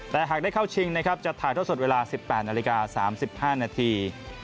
แต่หากได้เข้าชิงนะครับจะถ่ายท่อสดเวลา๑๘นาฬิกา๓๕นาที